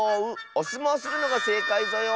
おすもうするのがせいかいぞよ。